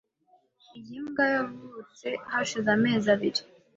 Iyi mbwa yavutse hashize amezi abiri .